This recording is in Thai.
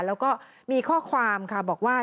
แล้วก็มีข้อความค่ะบอกว่า